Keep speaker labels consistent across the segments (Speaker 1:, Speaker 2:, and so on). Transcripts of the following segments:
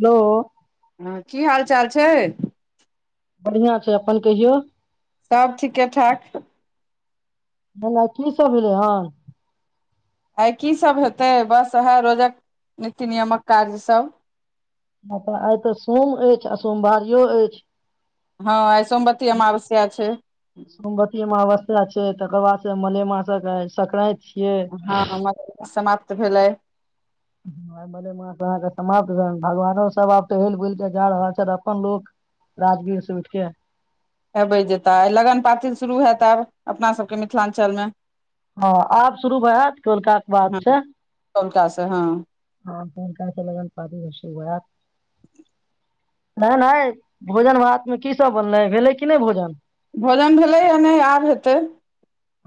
Speaker 1: Hello
Speaker 2: हँ की हाल चाल छै
Speaker 1: बढ़िआं छै अपन कहियौ
Speaker 2: सब ठीके ठाक
Speaker 1: खाना की सब भेलै हन
Speaker 2: आय की सभ हेतै बस इएह रोजक नीति नियामक कार्यसभ
Speaker 1: ह तऽ आय तऽ सोम अछि आ सोमवारियो अछि
Speaker 2: हँ आय सोमबती अमाबश्या छै
Speaker 1: सोमबती अमावस्या छै तकर बाद से मलेमासक सकंराति
Speaker 2: हँ मलेमास समाप्त भेलै
Speaker 1: आय मलेमास अहाँके समाप्त भेल भगवानो सभ आब तऽ हिल बुल के जा रहल छथि अपन लोक राजगीर से उठिके
Speaker 2: अबै जेताह आय लगन पाति शुरू होयत आब अपना सभके मिथिलाञ्चलमे
Speaker 1: हँ आब शुरू भए जायत कौलकाक के बात
Speaker 2: हँ
Speaker 1: से
Speaker 2: कौलका से हँ
Speaker 1: हँ कोन कहस लगन पाती शुरु हेत नहि नहि भोजन भातमे की सब बनलै भेलै कि नहि भोजन
Speaker 2: भोजन भेलै या नहि आब हेतै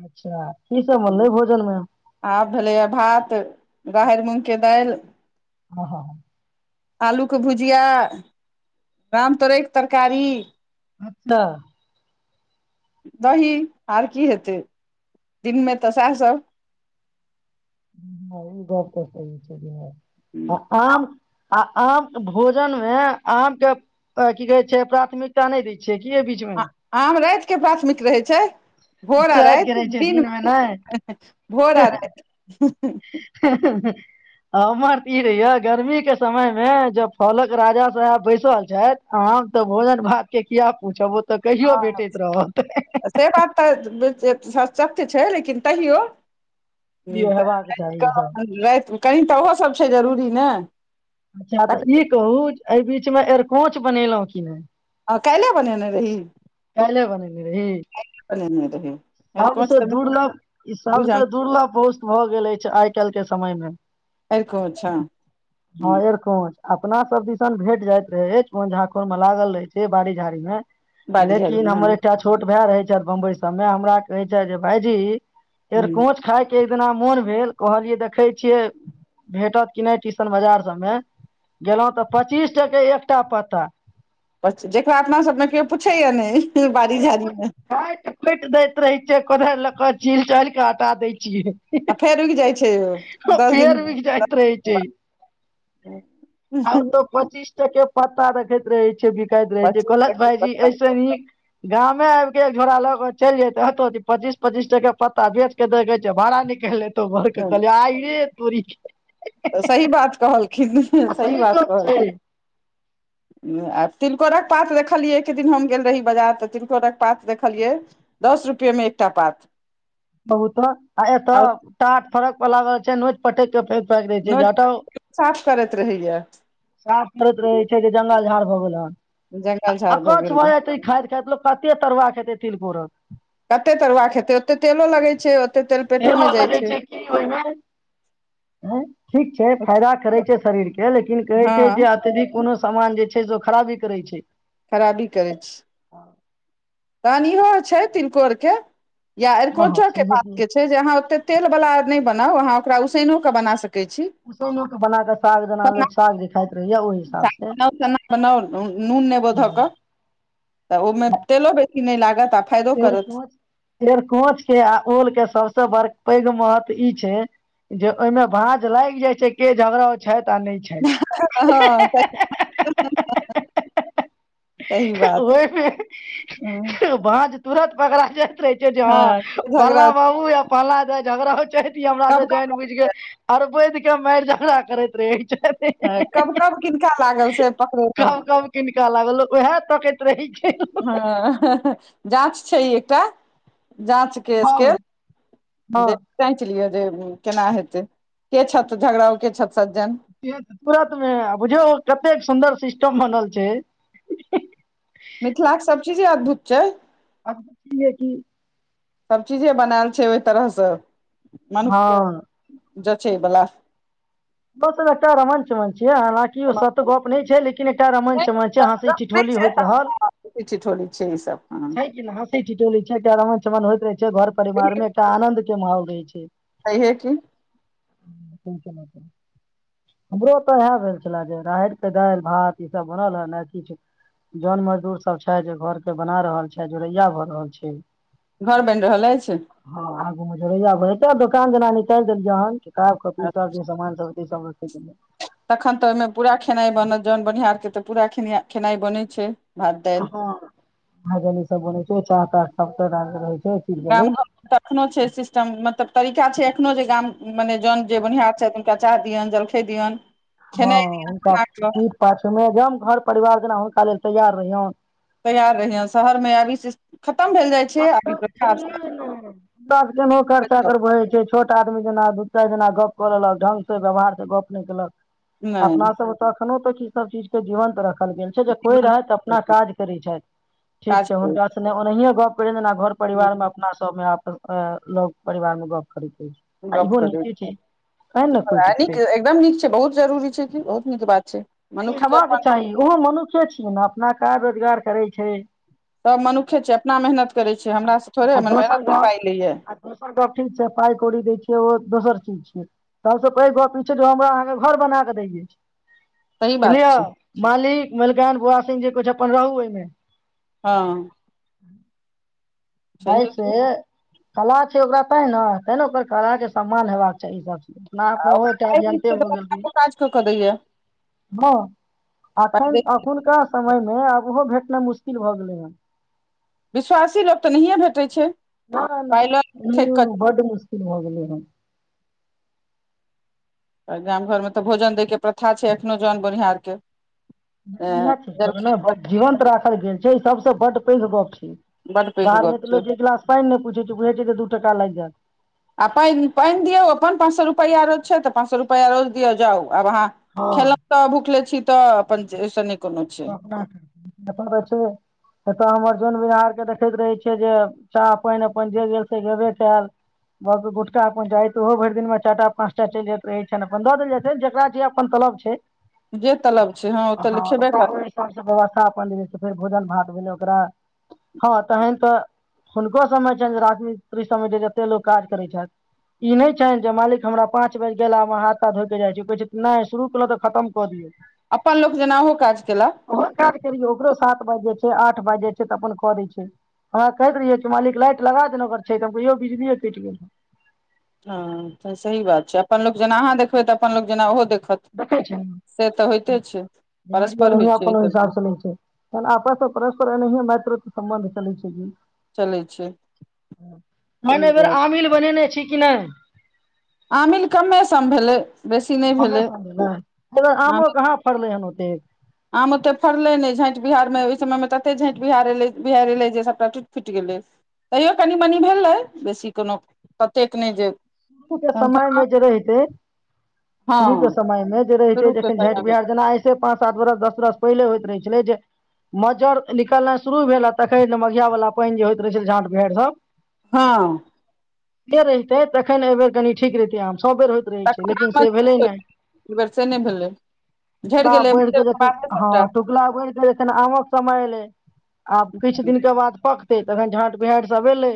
Speaker 1: अच्छा की सब बनले भोजन मे
Speaker 2: आब भेलैए भात राहरि मूँगके दालि
Speaker 1: ह ह
Speaker 2: आलूके भुजिया राम तोरैके तरकारी
Speaker 1: [unintelligible]
Speaker 2: दही आर की हेतै दिनमे तऽ सएह सब
Speaker 1: ई बात तऽ सही छै आम आ आम भोजन मे आम के की कहै छै प्राथमिकता नहि दय छि छेकी बीचमे
Speaker 2: आ- आम रैतके प्राथमिक रहै छै भोर आ
Speaker 1: राति के
Speaker 2: राइत
Speaker 1: रहै छै
Speaker 2: दिन
Speaker 1: मे नहि
Speaker 2: भोर आ राइत
Speaker 1: ह ह हमर तऽ ई रहहिय गर्मी के समय मे ज फलक राजा साहेब बैसल छथि हम तऽ भोजन भात के किया पूछब ओ तऽ कहियो
Speaker 2: हँ
Speaker 1: भेटैत रहत
Speaker 2: से बात तऽ सशत्य छै लेकिन तैयो ह
Speaker 1: इहो हेबाक चाही ई
Speaker 2: तऽ
Speaker 1: सब
Speaker 2: रऽ रा कनि तऽ ओहोसभ छै जरूरी ने
Speaker 1: अच्छा तऽ ई कहू एहि बीचमे अरकोंच बनेलहुँ कि नहि
Speaker 2: आ काइले बनेने रही
Speaker 1: काल्हि
Speaker 2: आई बनेने रही अरिकोंच
Speaker 1: सबसे
Speaker 2: तऽ मिथिलाके
Speaker 1: दुर्लभ ई
Speaker 2: बुझल
Speaker 1: सबसे दुर्लभ पोस्त भऽ गेल अछि छै आइ काल् के समय मे
Speaker 2: आक अचछा [unintelligible] [unintelligible]
Speaker 1: हायरक [unintelligible] [unintelligible] चोंच अपना सब दिसन भेट जाइत रहे चोंच झाखुर मे लागल रहे छै बाड़ी झाड़ी में
Speaker 2: बाड़ी झाड़ी
Speaker 1: लेकिन
Speaker 2: मे
Speaker 1: हमर
Speaker 2: हँ
Speaker 1: एकटा छोट भाय रहैत छथि बम्बई सभमे हमरा कहैत छथि जे भायजी
Speaker 2: हम्म।
Speaker 1: एरकोच खाय के एक दिना मोन भेल कहलियै देखै छियै भेटत कि नहि बाजार सब में गेलों तऽ पच्चीस टके एकटा पत्ता
Speaker 2: जेकरा अपना सबमे केओ पूछै या ने बाड़ी झाड़ी मे
Speaker 1: काइटि खुइटि दैत रहे छ कोदायर ल क छिल छायल के हटा दै छियै
Speaker 2: आ फेर रूकि जाइ छै दस
Speaker 1: पेड़
Speaker 2: दिन
Speaker 1: रुकि जाइत रहै छै आब तो पच्चीस टके पत्ता रखैत रहे छै बिकाइत रहे छै
Speaker 2: पच्चीस
Speaker 1: कहलत
Speaker 2: पच्चीस
Speaker 1: भायजी
Speaker 2: पत्ता
Speaker 1: ऐसे ह गामे आब के एक झोड़ा लक चलि जयते त पचीस पचीस टके पत्ता बेच के द भाड़ा निकलि लेै बरके कहल आइे तोरी के
Speaker 2: तऽ सही बात कहलखिन
Speaker 1: आ
Speaker 2: सही बात
Speaker 1: गप
Speaker 2: कहलखिन
Speaker 1: [inaudible] [inaudible]
Speaker 2: आब तिलकोरक पात देखलियै एक दिन हम गेल रही बाजार तऽ तिलकोरक पात देखलियै दस रुपे मे एकटा पात
Speaker 1: कहुत आ एतय
Speaker 2: आ
Speaker 1: टाट फरक प लागल छै नोच पटेके फेक फाइक दै छै
Speaker 2: नोच
Speaker 1: जाटा ओ
Speaker 2: कऽ साफ करैत रहैया
Speaker 1: साफ करैत रहै छै जे जंगल झाड़ भऽ गेल हन
Speaker 2: जंगल
Speaker 1: आ
Speaker 2: झाड़ भऽ
Speaker 1: अक्छ
Speaker 2: गेल मे
Speaker 1: भजेते ई खाईत खाईत लोक कते तरुआ खेतै तिलकोरक
Speaker 2: कतेक तरुआ खेतै ओतेक तेलो लगै छै ओते तेल पेटो मे
Speaker 1: तेलोऽ
Speaker 2: जाइ
Speaker 1: लगै छै की ओइमे ठीक छै
Speaker 2: ओते
Speaker 1: फायदा करे छै शरीर के लेकिन कहै
Speaker 2: हँ
Speaker 1: छै जे अत्यधिक कोनो सामान जे छै सेजो खराबी करै छै
Speaker 2: खराबी करै छै तहन इहो छै तिलनकोर के या
Speaker 1: हँ
Speaker 2: अरकोंचो के
Speaker 1: छैहे
Speaker 2: पात
Speaker 1: की
Speaker 2: के छै छै जे अहाँ ओतेक तेल बला नहि बनाउ अहाँ ओकरा उसैनोक कऽ बना सकै छी
Speaker 1: उसैनो के बनाक साग दाल लो साग जे खाईत रहहिया ओहि हिसाब से
Speaker 2: बना सना बनाउल [unintelligible] [unintelligible] नून नेंबो
Speaker 1: हँ
Speaker 2: धक ओह मे तेलो बेसी नहि लागत फायदो करत
Speaker 1: एरकोंच एरकोंच के आ ओल के सबसे बड़ पैघ महत्व ई छै जे ओहिमें भाज लागि जाय छै के झगड़ाव छै आ नहि छै
Speaker 2: हँ [unintelligible] [unintelligible] सही
Speaker 1: ओ
Speaker 2: बात हँ
Speaker 1: [unintelligible] [unintelligible] बाँज तुरत पकड़ा जायत रहे छै जे ह फलना
Speaker 2: झगड़ा
Speaker 1: बाबू या फलना जाय झगड़ाव छैत इ हमरा
Speaker 2: कब
Speaker 1: जानि बुझिक अर वैद के मारि झगड़ा करैत रहे छथ
Speaker 2: ह कब कब किनका लागल से पकड़ेलौ
Speaker 1: कीनका लागल ओहे तकै रहै छै [unintelligible] [unintelligible]
Speaker 2: हँ जाँच छै ई एकटा जाँच के स्क
Speaker 1: हँ हँ
Speaker 2: जाँच लियौ जे केना हेतै के छथ झगड़ा के छथि सज्जन
Speaker 1: तुरत मे आ बुझियौ कतेक सुन्दर सिस्टम बनल छ
Speaker 2: मिथिला के सब चीजे अद्भुत छै
Speaker 1: की
Speaker 2: सब चीजे बनायल छै ओहि तरहसँ मनुख
Speaker 1: हँ
Speaker 2: के जचे वला
Speaker 1: सब रहन सहन छिये के ओ सत गप न नहि छै लेकिन एकटा रमण चमन छै हां ई ठिठोली होयइत रहल
Speaker 2: हँसी ठिठोली छै ई सब
Speaker 1: लेकिन चटौली छै एकटा रमन चमन होइत रहे छै तेँ घर परिवार मे एकटा आनंद के माहौल रहै छै
Speaker 2: छय कि
Speaker 1: [unintelligible] हमरो तऽ इएह भेल छले जे राहरिके दालि भात ईसभ बनल हे ने किछ जन मजदूर सब छै जे घरके बना रहल छै जोड़ैया भऽ रहल छै
Speaker 2: घर बनि रहल अछि
Speaker 1: हँ आगू में जरैया हेत दोकान दना निकालि जेनाय निकल जेत तहन कपी
Speaker 2: आ
Speaker 1: सब सान सब सब रखे
Speaker 2: तखन तऽ ओहि में पूरा खेनाई बनत जन बोनिहारके तऽ पूराे खेनाई बनैत छै भात दालि
Speaker 1: हँ भजन सब बनै छै चाय सब त रहै छै चीज के
Speaker 2: गाम
Speaker 1: लेल
Speaker 2: घरमे त एखनो छै सिस्टम मतलब तरीका छै एखनो जे गाम मने जन जे बोनिहार छथि चाय दिअनि जलखै दिऔनि
Speaker 1: हँ हुनका पीठ पाठ मे ज हम घर परिवार जेना हुनका लेल तैयार रहियन
Speaker 2: तैयार रहहिय शहर में अभी से खतम भेल जाय
Speaker 1: सब के नोकर
Speaker 2: समाप्त जाउ।
Speaker 1: चाकर छोट आदमी जेना दू चारि जेना गप कऽ लेलक ढंग स व्यवहार से गप नहि केलक
Speaker 2: नहि
Speaker 1: अपना सब तखनो तक क ई सब चीज के जीवंत राखल गेल कोई रह अपना काज करै छथि ठीक
Speaker 2: काज
Speaker 1: छै
Speaker 2: करै
Speaker 1: हुनका ओनाहि गप कर घर परिवार में अपना सब मे लग परिवार मे गप करैत
Speaker 2: गप
Speaker 1: आगो
Speaker 2: करै
Speaker 1: न छै कह
Speaker 2: नीक
Speaker 1: नको िकतै
Speaker 2: एकदम नीक छै बहुत जरूरी छै बहुत नीक बात छै
Speaker 1: ई
Speaker 2: मनुख के अपन
Speaker 1: हेबाक चाही ओहो मनुष्ये छियै ने अपना क रोजगार करै छै
Speaker 2: सभ मनुखे छै अपना मेहनत करै छैै हमरास थोड़े
Speaker 1: आ
Speaker 2: हमर
Speaker 1: दोसर
Speaker 2: मेहनत नहि
Speaker 1: गप
Speaker 2: पाइ लैयए
Speaker 1: आ दोसर गप ठीक छै पाइ कौड़ी दै छियै ओ दोसर चीज छियै सबसे पैघ गप ई छै जे हमरा अहाँ के घर बना के दैये अछि
Speaker 2: सही बात
Speaker 1: सुनलियै
Speaker 2: छै
Speaker 1: मालिक मलिकान बुआ सिंह जे कुछ अपन रहु ओहि में
Speaker 2: हँ सहिये छै
Speaker 1: ऐसे कला छै ओकरा तैं ने तै ने कर कलाके सम्मान हेबाक चाही ई सभ चीज मे नाक
Speaker 2: आ
Speaker 1: मे हो
Speaker 2: ओकरा पाइ दै
Speaker 1: जन्ते
Speaker 2: छियै तऽ
Speaker 1: हो गेल
Speaker 2: बड़का काज कऽ कऽ दैये
Speaker 1: हँ
Speaker 2: पाइ
Speaker 1: एखन
Speaker 2: दै
Speaker 1: एखुनका समयमे आबहो भेटनाइ मुश्किल भऽ गेलै हे
Speaker 2: विश्वासी लोक तऽ नहिए भेटै छ
Speaker 1: ह बड मुश्किल होगल
Speaker 2: गाम घरमे तऽ भोजन दैके प्रथा छै एखनो जन बोनिहार के ऐं
Speaker 1: इएह चीज कह ने
Speaker 2: जलखै
Speaker 1: जीवंत राखल गेल छै सबसे बड पैघ गप छी
Speaker 2: बड पैघ
Speaker 1: बाहर में
Speaker 2: गप
Speaker 1: तऽ
Speaker 2: छै
Speaker 1: लोक एक गिलास पानि नहि पूछैत छै बुझे छै त दूटा लागि जायत
Speaker 2: आ पनि पनि दियौ अपन पाँच सए रुपैआ रोज छै तऽ पाँच सए रुपैआ रोज दिअ जाउ आब अहाँ
Speaker 1: हँ
Speaker 2: खेलहुं
Speaker 1: ओ
Speaker 2: तऽ भुखले छी तऽ अपनस न
Speaker 1: ओ अप एना त छै एतय हमर जन बिहार के देखैत रहै छियै जे चाह पनि अपन जे गेल से भबे कयल ब गुटखा अपन चाही त ओहो भरि दिन में चारिटा पाँच टा चलि जाइत रह छनि अपन दऽ देल जाइत छै जेकरा जे अपन तलाब छै
Speaker 2: जे तलाब छै हँ ओ तऽ खेबे करते
Speaker 1: सब व्यवस्था अपन देने फेर भोजन भात भेल ओकरा हँ तहन तऽ हुनको स बमें छनि जे राजमिस्त्री सबमे जते लोको काज करै छथि ई नहि छ जे मालिक हमरा पाँच बज गेला में हाथ धो के जाय छै नहि शुरू केलो तऽ खतम कऽ दियौ
Speaker 2: अपन लोक जेना ओ काज केल
Speaker 1: ओ काज करियौ ओकरो सात बाजै छै आठ बाजै छै तऽ अपन कर दै छै हमरा कहैत रहियै च मालिक लाइट लगा देल अगर छै त हम कहियो बिजलीए कटि गेल
Speaker 2: ह त सही बात छै अपन लोक जेना अहाँ देखबै तऽ अपन लोक जेना ओहो देखत
Speaker 1: देखै छै
Speaker 2: से तऽ होइते छै परस्पर
Speaker 1: बिहार
Speaker 2: होइ
Speaker 1: नय
Speaker 2: छै ई
Speaker 1: कोनो
Speaker 2: सब
Speaker 1: हिसाब सँ नहि छै आपस परस्पर आ मात संबन्ध चल छै
Speaker 2: चलै छै
Speaker 1: मने
Speaker 2: सही
Speaker 1: एहि बेर
Speaker 2: बात
Speaker 1: आमिल बनेने छी कि नइ
Speaker 2: आमिल कमे सम भेलय
Speaker 1: ओमे सम
Speaker 2: आम
Speaker 1: आमो कहाँ फड़लै हन ओतेक
Speaker 2: आम ओते फड़लै नै झाँटि बिहार मे ओहि समय मे ए एते झाँटि बिहार ए बिहार एलै जे सभटा टूटि फुटि गेलै तैयो कनि मनि भेलै बेसी कोनो कतेक नहि ज
Speaker 1: के समय में जे रहिते शुरू के
Speaker 2: हँ
Speaker 1: समय में जे रहे छै
Speaker 2: शुरू के
Speaker 1: जखन
Speaker 2: समय
Speaker 1: झठि
Speaker 2: मे
Speaker 1: बिहार जेना से पाँच सात बरस दस बरस पहिले होइत रहै छलै जे मज्जर निकलनाइ शुरू भेल तखे ने मघिया वला पनि जे होइत रहै छल झाट भड़ि सब
Speaker 2: हँ
Speaker 1: के रहिते तखन एहि बेर कनि ठीक रहितेै आम सब बेर हो रहै छै लेकिन
Speaker 2: तखन
Speaker 1: से भेलै नय
Speaker 2: बेर से नहि भेलै झड़ि गेलै
Speaker 1: बैके जन
Speaker 2: बादे
Speaker 1: हँ
Speaker 2: सबटा
Speaker 1: त गुलाब भ आमक समय एले आब किछ दिन के बाद प तखन झाट बिहार सब एलै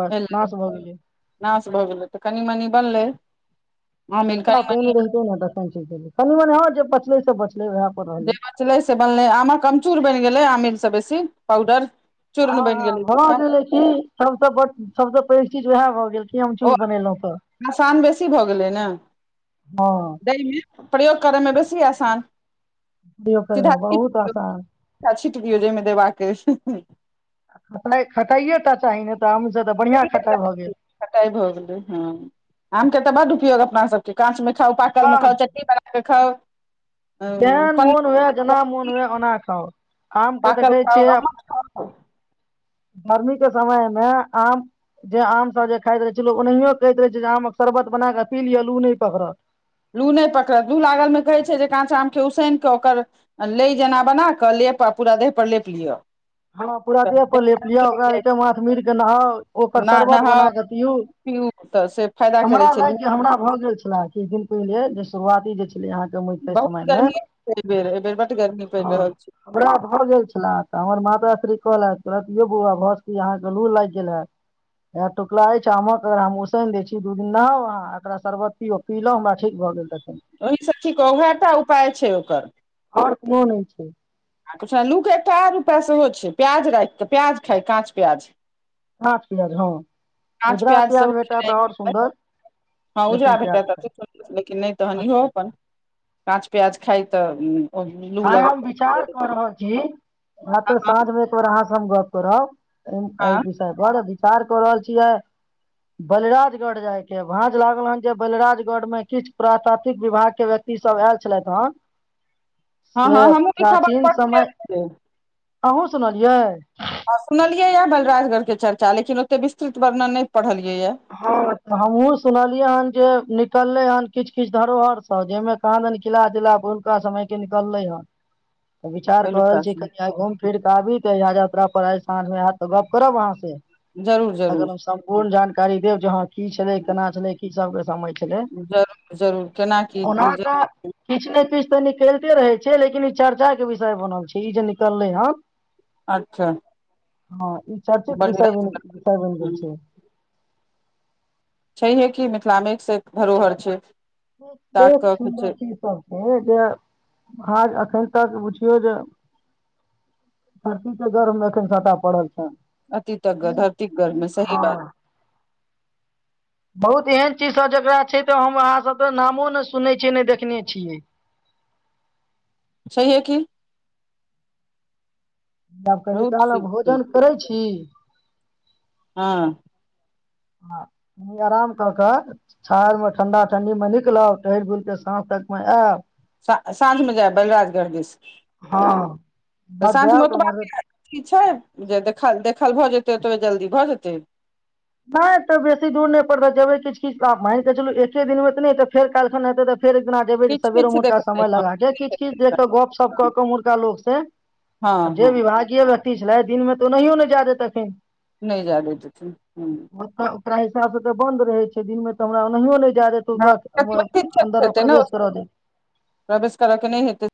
Speaker 1: बस
Speaker 2: एलै
Speaker 1: नाश भऽ गेलै
Speaker 2: नाश भऽ गेलै तऽ कनी मनी बनलै आमिल
Speaker 1: टा
Speaker 2: कनि
Speaker 1: पनि
Speaker 2: मनी
Speaker 1: रहितौ ने तखन चलि देलै कनि मनि हँ जे पचलै से पचलै उएह पर रहलै
Speaker 2: जे बचलै से बनलै आमक आमचूर बनि गेलै आमील स बेसी पाउडर चूर्ण बनि
Speaker 1: आहा
Speaker 2: गेलै
Speaker 1: भ
Speaker 2: एकटा।
Speaker 1: गेले कि सबस ब सबस पैघ चीज उएह भऽ गेल कि
Speaker 2: ओ
Speaker 1: अमचूर बनेलहुँ तऽ
Speaker 2: नुकशान बेसी भऽ गेलै ने
Speaker 1: हँ
Speaker 2: दई में प्रयोग करै में बेसी आसान
Speaker 1: प्रयोग करेलहुँ बहुत आसान
Speaker 2: छिट दियौ जाहि में देबाक अछि
Speaker 1: आ खटाइ खटाइए टा चाही ने तऽ आमसँ तऽ बढ़िआँ खटाइ भऽ गेल
Speaker 2: कटाइ भऽ गेलै हँ आम के तऽ बड उपयोग अपना सबके काँच में खाउ पाकल मे
Speaker 1: हँ
Speaker 2: खाउ चट्टनी बनाउ खाउ
Speaker 1: जेहन मोन
Speaker 2: पन्ना
Speaker 1: हुए जेना मोन हुए ओना खाउ आम के
Speaker 2: पाकल
Speaker 1: देखै
Speaker 2: खाउ
Speaker 1: छियै
Speaker 2: अम्मट खाउ
Speaker 1: गर्मी के समय में आम जे आमसभ जे खाइत रहै छै ल ओनाहियो कहैत रहै छै जे आमक शर्बत बना कऽ पी लिय अ लू नहि पकड़त
Speaker 2: लू नहि पकड़त लू लागल में कहै छै जे काँच आम के उसऐन कऽ ओकर लै जेना बना कऽ लेप आ पूरा देहपर लेप लिअ
Speaker 1: हँ पूरा देह पर लेप लिअ ओकरा माथ मिर के नहाउ ओकर शरबत
Speaker 2: नहाउ
Speaker 1: बना कऽ पियू
Speaker 2: पीउ तऽ से फायदा करै
Speaker 1: हमरा
Speaker 2: छै लू
Speaker 1: लाग हमरा भऽ गेल छले किछ दिन पहिल शुरुआती जे अहाँ केे समय
Speaker 2: बहुत
Speaker 1: में हँ
Speaker 2: गर्मी एहिबेर एहिबेर बड गर्मी पड़ि रहल छै
Speaker 1: हमरा भऽ गेल छले तऽ हमर माँ स्त्री कहल कह यौ बौआ भ सके यै अहाँ के लू लागि गेल है टीकला अछि आमक हम उसैन देय छी दू दिन नहााव आह एकरा शरबत पीयु पीलो हमरा ठीक भऽ गेल तखन
Speaker 2: ओहिसँ ठीक ओहो टा उपाय छै ओकर
Speaker 1: ओर कोनो नहि छै
Speaker 2: पछुलू क एकटा आ र उपय सेहो छै प्याज राखि कऽ प्याज खाय काँच प्याज
Speaker 1: काच प्याज हॅ
Speaker 2: काँच
Speaker 1: उजरा
Speaker 2: सेहो
Speaker 1: प्याज भेटत ओर
Speaker 2: खेनाइ
Speaker 1: सुन्दर
Speaker 2: हँ उजरा
Speaker 1: लेकिन प्याज
Speaker 2: भेटत
Speaker 1: खायब
Speaker 2: त लेकिन नहि तहन इहो
Speaker 1: अति
Speaker 2: अपन काँच प्याज खाइ तऽ लू
Speaker 1: आय
Speaker 2: लगल
Speaker 1: हम विचार क रहल छी आ त
Speaker 2: हँ
Speaker 1: साँझ मे एक बेर अहाँ से हम गप करब एहि
Speaker 2: हँ
Speaker 1: विषय पर विचार कऽ रहल छियै बलराजगढ़ जायके ह भाँज लागल हन जे बलराजगढ़ में किछ प्रातातिक विभाग के विद्या इ सब आयल छलथि हन
Speaker 2: हँ हँ
Speaker 1: से
Speaker 2: हमहुँ खबर
Speaker 1: प्राचीन
Speaker 2: पढ़
Speaker 1: समय
Speaker 2: लेलियै
Speaker 1: अहूँ सुनलियै
Speaker 2: सुनलिये या बलराजगढ़ के चर्चा लेकिन ओते विस्तृत वर्णन नहि पढ़लियै य
Speaker 1: हँ हमहुँ सुनलियै हन जे निकल्लै हन किछु किछु धरोहर सब जहिमे कहाँ दन किला तिला हुनका समय के निकल्लै हन विचार कह रहल
Speaker 2: पहिलुका
Speaker 1: छी
Speaker 2: से
Speaker 1: कनि आइ घुम फिर के आबी त यात्रा पर आइ साँझ मे आयत तऽ गप करब अहाँ से
Speaker 2: जरूर जरूर
Speaker 1: अगर पूर्ण जानकारी देब जे हं की छले केना छले की सब के समझ
Speaker 2: जरूर जरूर केना की
Speaker 1: तऽ किछु ने किछु तऽ निकलिते रहै छैै लेकिन ई चर्चा के विषय बनल छै ई जे निकललै हँ
Speaker 2: अच्छा
Speaker 1: हँ ई चर्चित विषय
Speaker 2: बलिराज
Speaker 1: विषय बनि गेल छै
Speaker 2: छैहे कि मिथिलामे एक स एक धरोहर छै ताक
Speaker 1: बहुत
Speaker 2: कऽ के
Speaker 1: सुन्दर
Speaker 2: छै
Speaker 1: चीज सब छै जे हाँ एखन तक बुझियौ जे सरतीक के गर्मे एखन छटा पड़ल छ
Speaker 2: [unintelligible]
Speaker 1: बहुत एहन चीजसभ जकरा छै तऽ हम अहाँसभ तऽ नामो ने सुनने छियै ने देखने छियै
Speaker 2: छहिए की
Speaker 1: आब कनि
Speaker 2: बहुत
Speaker 1: कालम
Speaker 2: ठीक छै
Speaker 1: भोजन करै छी
Speaker 2: हँ
Speaker 1: हँ नि अराम क क छाद में ठंडा ठंडी मे निकलब टहर बुल केे साँझ तक मे आयब
Speaker 2: सा साँझ मे जायब बलराजगढ़ दिस
Speaker 1: हँ
Speaker 2: त
Speaker 1: उमहर
Speaker 2: साँझ
Speaker 1: जायब
Speaker 2: मे
Speaker 1: तऽ
Speaker 2: ओतबा
Speaker 1: उमहर
Speaker 2: कि छै जे देख देखल भऽ जेतै ओतबे जल्दी भऽ जेतै
Speaker 1: नहि तऽ बेसी दूर नहि पड़बै जेबै किु किछु आब मानिक चलू एके दिनमे तऽ नहि तऽ फेर कालि खन हेतै तऽ फेर एक दिना जेबै जे
Speaker 2: किछु
Speaker 1: सबेरो
Speaker 2: किछु
Speaker 1: उड़का
Speaker 2: देखबै
Speaker 1: समय
Speaker 2: हँ
Speaker 1: लगा के किछ किछ देख कऽ गपशप कऽ के उर्का लोकग से आब
Speaker 2: हँ
Speaker 1: जे
Speaker 2: हँ।
Speaker 1: विभागीय व्यक्ति छलै दिनमे त ओनाहियो नहि जै दैतथिन
Speaker 2: नहि जै दै छथिन ह्म
Speaker 1: ओकरा हिसाब से त बन्द रहे छै दिन मे ते हमरा ओनाहियो ने नहि जाय
Speaker 2: ह
Speaker 1: दे
Speaker 2: प्रतिबंधित क्षेत्र
Speaker 1: अन्दर मे
Speaker 2: हेतै ने
Speaker 1: प्रवेश कर देत
Speaker 2: प्रवेश कर के नहि हेतै